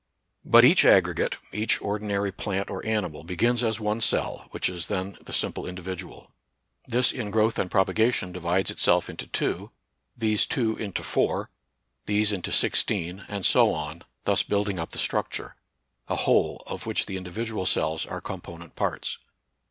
But each aggregate, each ordinary plant or animal, begins as one cell, which is then the sim ple individual. This in growth and propagation NATURAL SCIENCE AND RELIGION. 31 divides itself into two, these two into four, these into sixteen, and so on, thus building up the structure, — a whole, of which the individual cells are component parts.